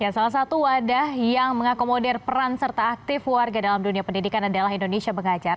salah satu wadah yang mengakomodir peran serta aktif warga dalam dunia pendidikan adalah indonesia mengajar